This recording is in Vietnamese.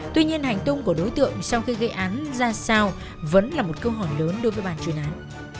tuy nhiên hành tung của đối tượng sau khi gây án ra sao vẫn là một câu hỏi lớn đối với bàn chuyên án